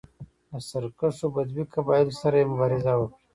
له سرکښو بدوي قبایلو سره یې مبارزه وکړه